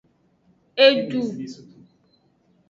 Edu.